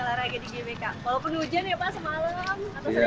bisa diajarin olahraga